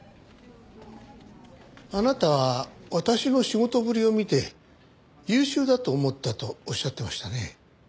あなたは私の仕事ぶりを見て優秀だと思ったとおっしゃってましたね。